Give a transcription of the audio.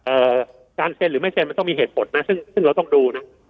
การเซ็นหรือไม่เซ็นมันต้องมีเหตุผลนะซึ่งซึ่งเราต้องดูนะ